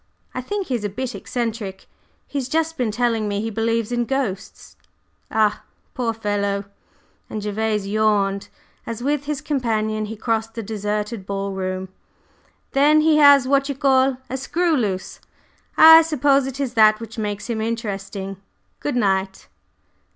I think he is a bit eccentric. He's just been telling me he believes in ghosts." "Ah, poor fellow!" and Gervase yawned as, with his companion, he crossed the deserted ball room. "Then he has what you call a screw loose. I suppose it is that which makes him interesting. Good night!"